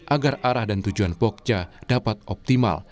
agar arah dan tujuan pogja dapat optimal